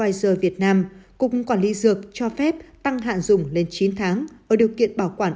công ty pfizer việt nam cũng quản lý dược cho phép tăng hạn dùng lên chín tháng ở điều kiện bảo quản